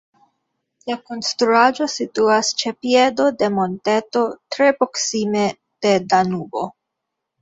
La konstruaĵo situas ĉe piedo de monteto tre proksime de Danubo.